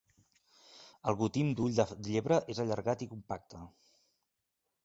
El gotim d'ull de llebre és allargat i compacte.